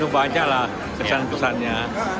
tentu banyaklah pesan pesannya